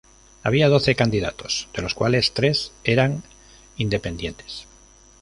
Había doce candidatos, de los cuales tres eran independientes.